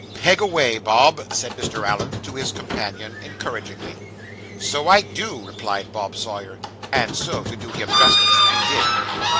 'Peg away, Bob,' said Mr. Allen, to his companion, encouragingly. 'So I do,' replied Bob Sawyer. And so, to do him justice, he did.